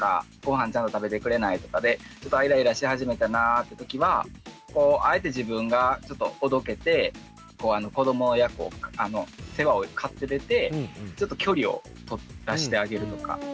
ごはんをちゃんと食べてくれないとかでちょっとイライラし始めたなって時はあえて自分がちょっとおどけて子どもの世話を買って出てちょっと距離を取らしてあげるとか。